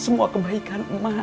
semua kebaikan mak